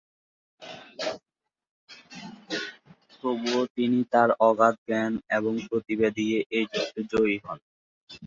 তবুও তিনি তার অগাধ জ্ঞান এবং প্রতিভা দিয়ে এই যুদ্ধে জয়ী হন।